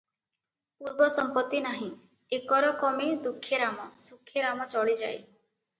ପୂର୍ବ ସମ୍ପତ୍ତି ନାହିଁ, ଏକରକମେ ଦୁଃଖେରାମ, ସୁଖେ ରାମ ଚଳିଯାଏ ।